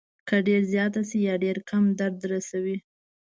که ډېره زیاته شي یا ډېره کمه درد رسوي.